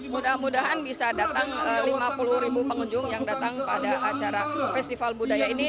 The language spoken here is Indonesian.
mudah mudahan bisa datang lima puluh ribu pengunjung yang datang pada acara festival budaya ini